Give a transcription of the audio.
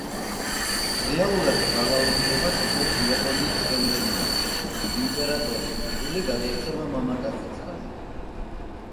რეალურად ძალაუფლებას ფლობს იაპონიის პრემიერ-მინისტრი, იმპერატორის ტიტული გადაეცემა მამაკაცის ხაზით.